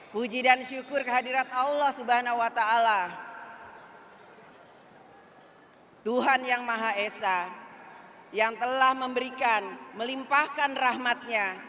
puji dan syukur kehadirat allah swt tuhan yang maha esa yang telah memberikan melimpahkan rahmatnya